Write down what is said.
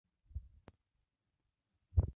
Hay grandes reservas de petróleo y gas natural.